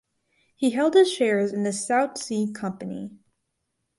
He held shares in the South Sea Company.